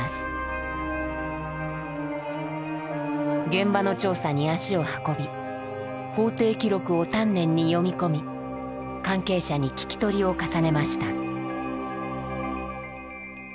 現場の調査に足を運び法廷記録を丹念に読み込み関係者に聞き取りを重ねました。